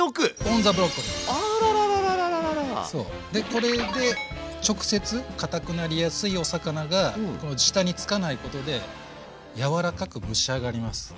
これで直接堅くなりやすいお魚が下につかないことで柔らかく蒸し上がります。